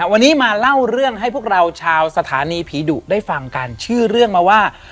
วันนี้มาเล่าเรื่องให้พวกเราชาวสถานีผีดุได้ฟังกันชื่อเรื่องมาว่า